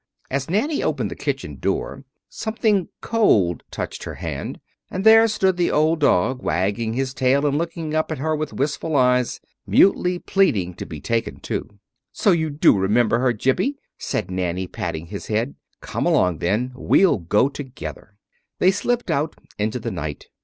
As Nanny opened the kitchen door something cold touched her hand, and there stood the old dog, wagging his tail and looking up at her with wistful eyes, mutely pleading to be taken, too. "So you do remember her, Gyppy," said Nanny, patting his head. "Come along then. We'll go together." They slipped out into the night.